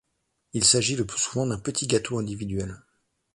Il s'agit le plus souvent d'un petit gâteau individuel.